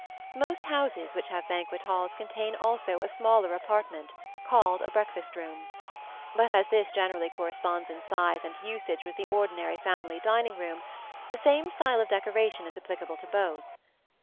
Most houses which have banquet halls contain also a smaller apartment called a breakfast room; but as this generally corresponds in size and usage with the ordinary family dining room, the same style of decoration is applicable to both.